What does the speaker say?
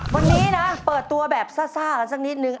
วันนี้นะเปิดตัวแบบซ่ากันสักนิดนึง